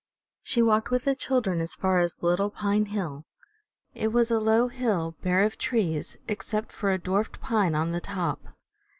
She walked with the children as far as Little Pine Hill. It was a low hill, bare of trees, except for a dwarfed pine on the top.